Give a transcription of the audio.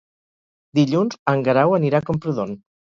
Dilluns en Guerau anirà a Camprodon.